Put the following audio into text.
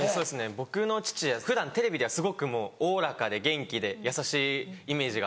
僕の父普段テレビではすごくおおらかで元気で優しいイメージが。